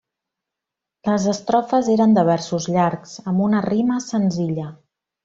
Les estrofes eren de versos llargs, amb una rima senzilla.